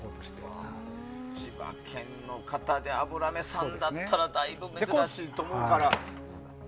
千葉県の方で油目さんだったらだいぶ珍しいと思うから。